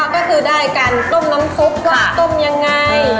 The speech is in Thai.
ก็คือได้การต้มน้ำซุปว่าต้มยังไง